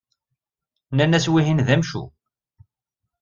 Nnan-as wihin d amcum.